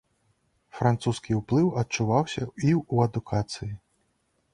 Французскі ўплыў адчуваўся і ў адукацыі.